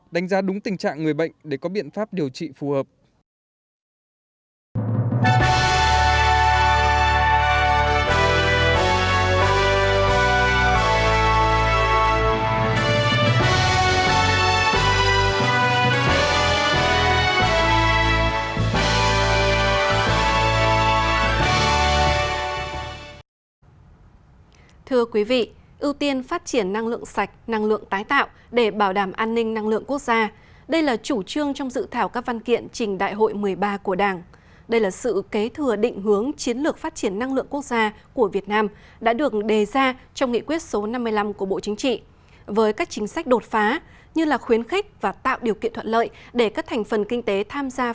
đánh giá đúng tình trạng người bệnh để có biện pháp điều trị phù hợp